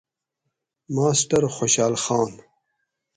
ماسٹر خوشحال خان